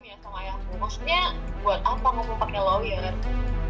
ya sama ayahku maksudnya buat apa mau memakai lawyer